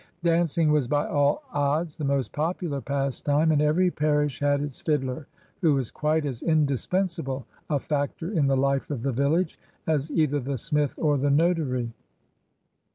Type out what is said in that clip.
Dancing was by all odds the most popular pastime, and every parish had its fiddler, who was quite as indispensable a factor in the life of the village as either the smith or the notary.